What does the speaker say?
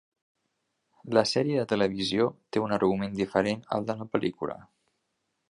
La sèrie de televisió té un argument diferent al de la pel·lícula.